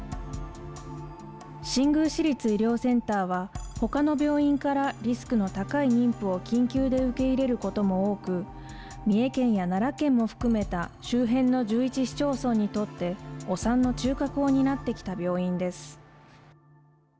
新宮市立医療センターは、ほかの病院からリスクの高い妊婦を緊急で受け入れることも多く、三重県や奈良県も含めた周辺の１１市町村にとって、お産の中核を担ってきた病院です。